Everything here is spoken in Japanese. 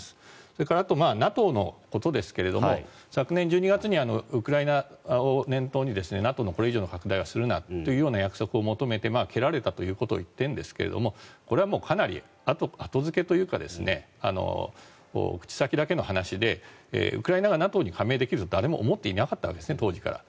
それから、ＮＡＴＯのことですが昨年１２月にウクライナを念頭に、ＮＡＴＯのこれ以上の拡大はするなという約束を求めて蹴られたということを言ってるんですがこれはかなり後付けというか口先だけの話でウクライナがＮＡＴＯに加盟できるとは誰も思っていなかったわけですね当時から。